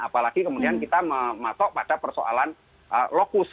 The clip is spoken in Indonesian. apalagi kemudian kita masuk pada persoalan lokus